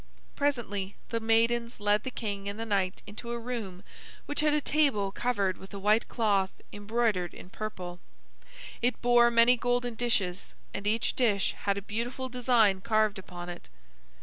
Presently the maidens led the king and the knight into a room which had a table covered with a white cloth embroidered in purple. It bore many golden dishes, and each dish had a beautiful design carved upon it.